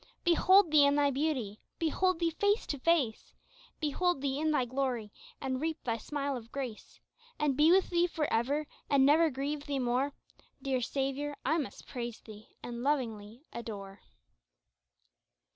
Behold Thee in Thy beauty, behold Thee face to face, Behold Thee in Thy glory and reap Thy smile of grace And be with Thee for ever, and never grieve Thee more! Dear Saviour I must praise Thee and lovingly adore.